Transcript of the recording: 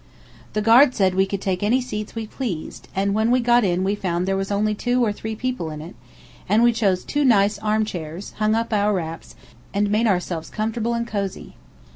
The guard said we could take any seats we pleased; and when we got in we found there was only two or three people in it, and we chose two nice armchairs, hung up our wraps, and made ourselves comfortable and cosey.